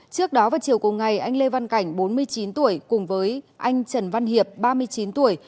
trước đó vào chiều cùng ngày anh lê văn cảnh bốn mươi chín tuổi cùng với anh trần văn hiệp ba mươi chín tuổi